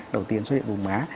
đầu tiên xuất hiện vùng má